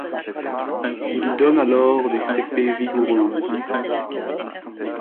Il donne alors des cépées vigoureuses.